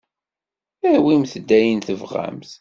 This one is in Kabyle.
Awimt ayen tebɣamt.